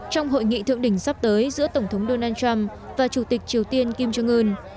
trong hội nghị thượng đỉnh sắp tới giữa tổng thống donald trump và chủ tịch triều tiên kim jong un